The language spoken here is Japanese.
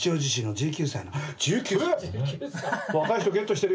１９歳。